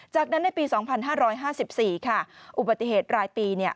จากนั้นในปี๒๕๕๔ค่ะอุบัติเหตุรายปี